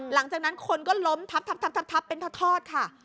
หลังจากนั้นคนก็ล้มทับเป็นทอดค่ะ